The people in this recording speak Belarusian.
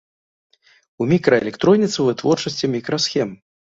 У мікраэлектроніцы ў вытворчасці мікрасхем.